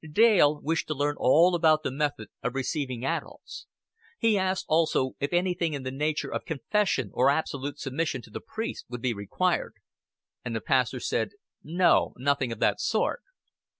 Dale wished to learn all about the method of receiving adults; he asked also if anything in the nature of confession or absolute submission to the priest would be required. And the pastor said, "No, nothing of the sort."